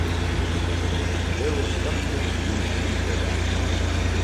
There was something he hankered after.